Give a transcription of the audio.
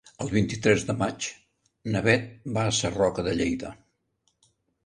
El vint-i-tres de maig na Beth va a Sarroca de Lleida.